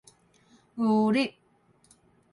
牛力